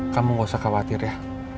kamu gak usah khawatir ya